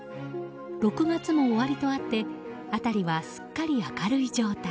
６月も終わりとあって辺りはすっかり明るい状態。